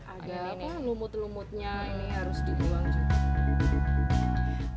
agak lumut lumutnya ini harus diulang